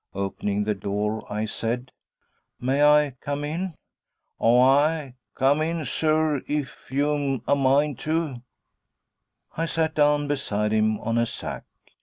Opening the door, I said, 'May I come in?' 'Oo ay! Come in, zurr, if yu'm a mind tu.' I sat down beside him on a sack.